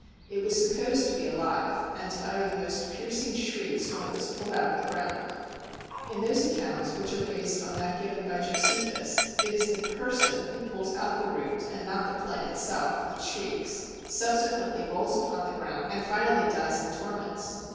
It was supposed to be alive, and to utter the most piercing shrieks when it was pulled out of the ground. In those accounts, which are based on that given by Josephus, it is the person who pulls out the root, and not the plant, that shrieks, subsequently rolls on the ground, and finally dies in torments.